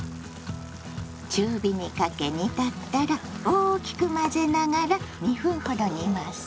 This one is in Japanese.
中火にかけ煮立ったら大きく混ぜながら２分ほど煮ます。